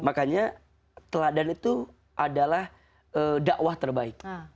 makanya teladan itu adalah dakwah terbaik